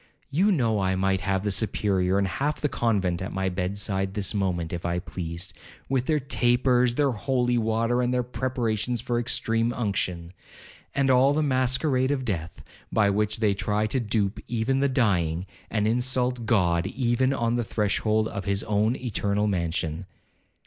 You know I might have the Superior and half the convent at my bed side this moment if I pleased, with their tapers, their holy water, and their preparations for extreme unction, and all the masquerade of death, by which they try to dupe even the dying, and insult God even on the threshold of his own eternal mansion.